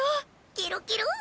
ケロケロ。